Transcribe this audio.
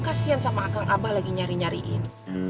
kasian sama akal abah lagi nyari nyariin